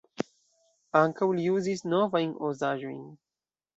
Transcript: Ankaŭ li uzis "novajn" Oz-aĵojn.